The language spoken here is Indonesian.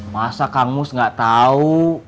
masa kang mus gak tau